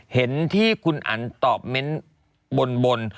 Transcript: เห็นที่คุณอันตอบเมนต์บน